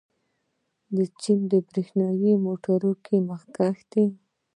چین په برېښنايي موټرو کې مخکښ دی.